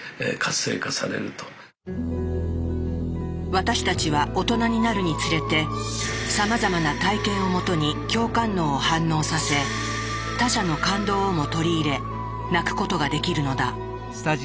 私たちは大人になるにつれてさまざまな体験をもとに共感脳を反応させ他者の感動をも取り入れ泣くことができるのだ。